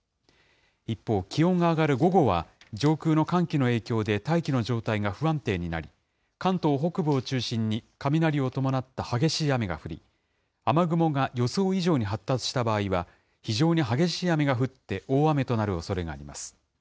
一方、気温が上がる午後は上空の寒気の影響で大気の状態が不安定になり、関東北部を中心に雷を伴った激しい雨が降り、雨雲が予想以上に発達した場合は、非常に激しい雨が降って、大雨となるおそれがあります。